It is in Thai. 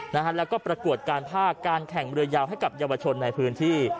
แล้วก็ประกวดการภาคการแข่งเรือยาวให้กับเยาวชนในพื้นที่